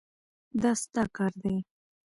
دا ستا کار دی.